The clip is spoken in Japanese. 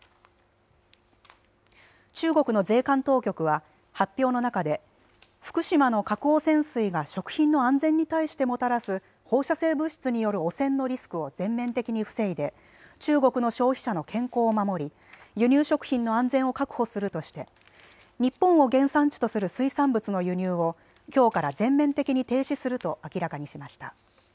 中国の税関当局は発表の中で福島の核汚染水が食品の安全に対してもたらす放射性物質による汚染のリスクを全面的に防いで中国の消費者の健康を守り輸入食品の安全を確保するとして日本を原産地とする水産物の輸入をきょうから全面的に停止すると明らかにしました。